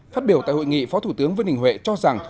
phát biểu tại hội nghị phó thủ tướng vương đình huệ cho rằng